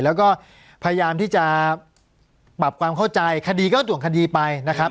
แล้วก็พยายามที่จะปรับความเข้าใจคดีก็ดวงคดีไปนะครับ